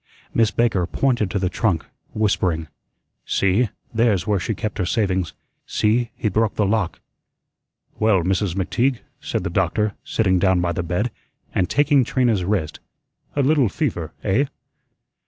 Miss Baker pointed to the trunk, whispering: "See, there's where she kept her savings. See, he broke the lock." "Well, Mrs. McTeague," said the doctor, sitting down by the bed, and taking Trina's wrist, "a little fever, eh?"